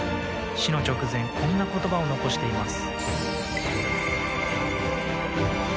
死の直前こんな言葉を残しています。